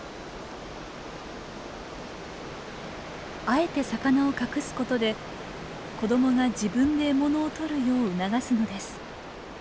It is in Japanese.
あえて魚を隠すことで子どもが自分で獲物をとるよう促すのです。